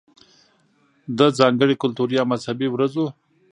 ده ځانګړې کلتوري يا مذهبي ورځو